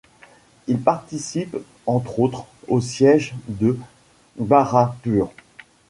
Il participe entre autres au siège de Bharatpur.